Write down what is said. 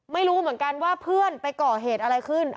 ไม่รู้เหมือนกันว่าเพื่อนไปก่อเหตุอะไรขึ้น